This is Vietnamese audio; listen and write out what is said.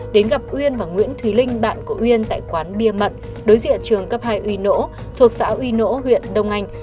đến gặp uyên và nguyễn thúy linh bạn của uyên tại quán bia mận đối diện trường cấp hai uy nỗ thuộc xã uy nỗ huyện đông anh